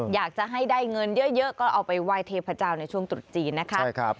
อยากจะให้ได้เงินเยอะก็เอาไปไหว้เทพเจ้าในช่วงตรุษจีนนะคะ